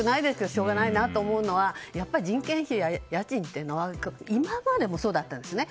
しょうがないなと思うのは人件費や家賃は今までもそうだったんですね。